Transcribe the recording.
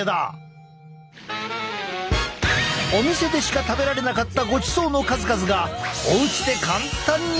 お店でしか食べられなかったごちそうの数々がおうちで簡単に手に入るぞ！